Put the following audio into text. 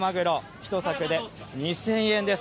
１さくで２０００円です。